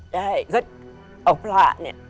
ได้เอาผละเนี่ย